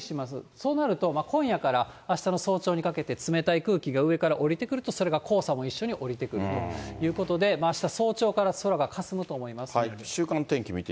そうなると、今夜からあしたの早朝にかけて、冷たい空気が上からおりてくると、それが黄砂も一緒におりてくるということで、あした早朝から空がかすむと思います。